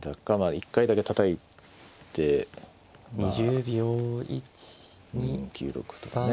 一回だけたたいてまあ９六歩とかね。